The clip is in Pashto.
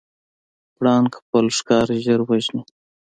پړانګ خپل ښکار ژر وژني.